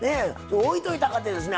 おいといたかてですね